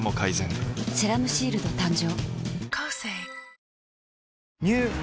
「セラムシールド」誕生